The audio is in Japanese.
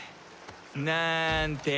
なんて。